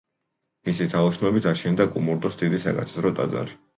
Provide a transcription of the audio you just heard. მისი თაოსნობით აშენდა კუმურდოს დიდი საკათედრო ტაძარი.